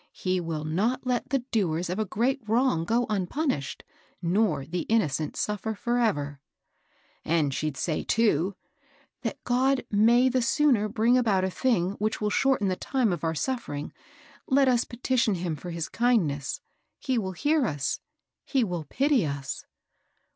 He will not let the doers of a great wrong go un punished, rior the innocent sufier forever.' And she'd say, too, ' That God may the sooner bring about a thing which will shorten the time of our suffering, let us petition him for the kindness. He will hear us, — he will pity us.'